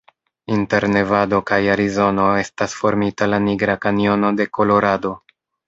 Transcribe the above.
Inter Nevado kaj Arizono estas formita la Nigra Kanjono de Kolorado.